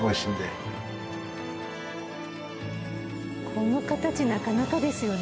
この形なかなかですよね。